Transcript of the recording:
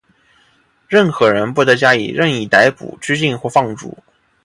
任何人不得加以任意逮捕、拘禁或放逐。